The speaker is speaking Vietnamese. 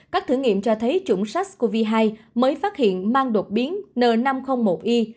các thử nghiệm cho thấy chủng sars cov hai mới phát hiện mang đột biến n năm trăm linh một i